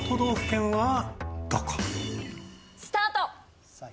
スタート！